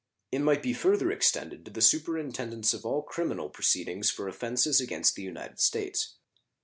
It might be further extended to the superintendence of all criminal proceedings for offenses against the United States.